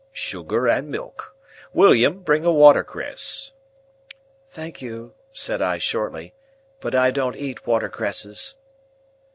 Sugar and milk. William, bring a watercress." "Thank you," said I, shortly, "but I don't eat watercresses."